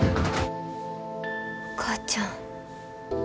お母ちゃん。